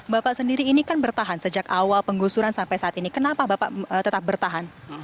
bapak sendiri ini kan bertahan sejak awal penggusuran sampai saat ini kenapa bapak tetap bertahan